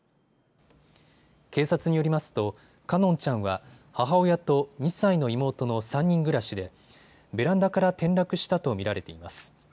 警察によりますと奏音ちゃんは母親と２歳の妹の３人暮らしでベランダから転落したと見られています。